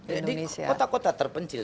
indonesia jadi kota kota terpencil